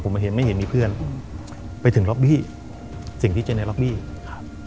ผมมาเห็นไม่เห็นมีเพื่อนอืมไปถึงล็อบบี้สิ่งที่เจอในล็อบบี้ครับ